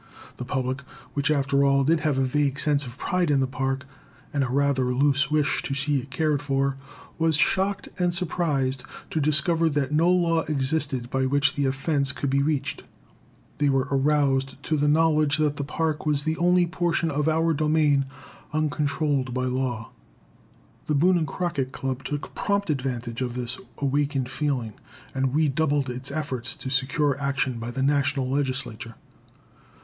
The public, which after all did have a vague sense of pride in the Park, and a rather loose wish to see it cared for, was shocked and surprised to discover that no law existed by which the offense could be reached. They were aroused to the knowledge that the Park was the only portion of our domain uncontrolled by law. The Boone and Crockett Club took prompt advantage of this awakened feeling, and redoubled its efforts to secure action by the National Legislature.